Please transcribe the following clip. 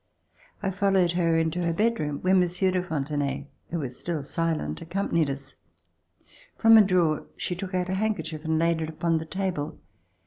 I followed her into her bedroom where Mon sieur de Fontenay, who was still silent, accompanied us. From a drawer she took out a handkerchief and laid it upon the table.